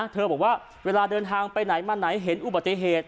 บอกว่าเวลาเดินทางไปไหนมาไหนเห็นอุบัติเหตุ